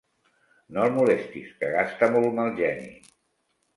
No el molestis, que gasta molt mal geni.